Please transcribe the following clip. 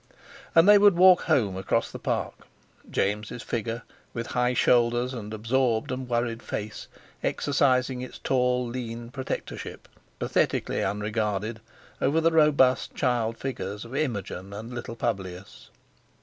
And they would walk home across the Park, James' figure, with high shoulders and absorbed and worried face, exercising its tall, lean protectorship, pathetically unregarded, over the robust child figures of Imogen and little Publius.